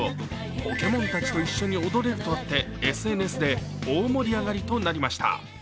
ポケモンたちと一緒に踊れるとあって、ＳＮＳで大盛り上がりとなりました。